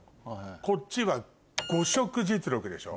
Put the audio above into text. こっちは「誤食実録」でしょ。